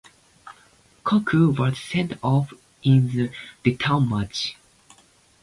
Cocu was sent off in the return match.